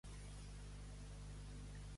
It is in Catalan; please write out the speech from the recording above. Si no entres, no cal que isques.